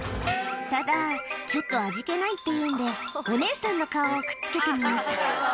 ただ、ちょっと味気ないっていうんで、お姉さんの顔をくっつけてみました。